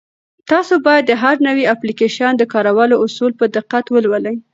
تاسو باید د هر نوي اپلیکیشن د کارولو اصول په دقت ولولئ.